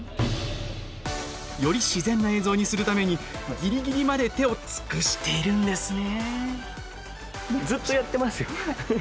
より自然な映像にするためにぎりぎりまで手を尽くしているんですね。